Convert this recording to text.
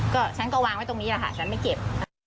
ก็ฉันก็วางไว้ตรงนี้แหละค่ะฉันไม่เก็บ